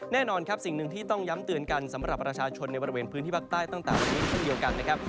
แน่นอนครับสิ่งหนึ่งที่ต้องย้ำเตือนกันสำหรับประชาชนในบริเวณพื้นที่ภาคใต้ตั้งแต่วันนี้เช่นเดียวกันนะครับ